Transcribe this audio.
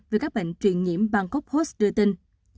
về các bệnh truyền nhiễm bangkok host đưa tin